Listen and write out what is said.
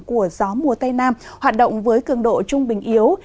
của gió mùa tây nam hoạt động với cường độ trung bình yếu